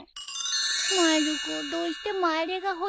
まる子どうしてもあれが欲しいんだよ。